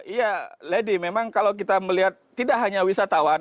iya lady memang kalau kita melihat tidak hanya wisatawan